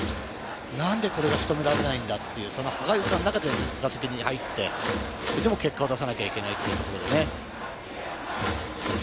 何でこれを仕留められないんだという、歯がゆさの中で打席に入って、それでも結果を出さなきゃいけない。